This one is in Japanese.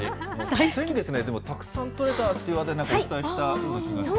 先月ね、でもたくさん取れたって話題、お伝えしたような気がするんです。